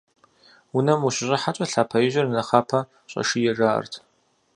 Унэм ущыщӏыхьэкӏэ лъапэ ижьыр нэхъапэ щӏэшие жаӏэрт.